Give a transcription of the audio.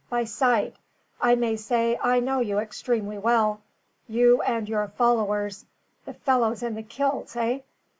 By sight, I may say I know you extremely well, you and your followers, the fellows in the kilts, eh?